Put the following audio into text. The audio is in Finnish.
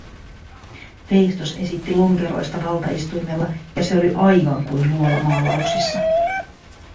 Veistos esitti lonkeroista valtaistuimella ja se oli aivan kuin luolamaalauksissa.